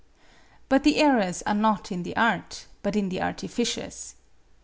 But the errors are not in the art, but in the artificers.